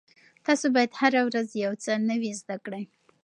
تاسو باید هره ورځ یو څه نوي زده کړئ.